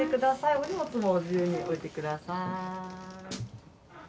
お荷物も自由に置いてください。